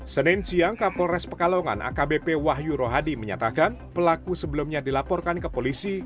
senin siang kapolres pekalongan akbp wahyu rohadi menyatakan pelaku sebelumnya dilaporkan ke polisi